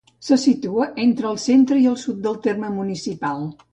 Se situa entre el centre i el sud del terme municipal.